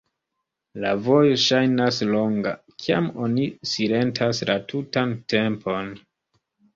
La vojo ŝajnas longa, kiam oni silentas la tutan tempon.